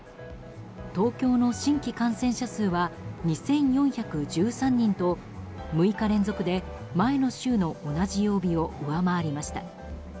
東京の新規感染者数は２４１３人と６日連続で前の週の同じ曜日を上回りました。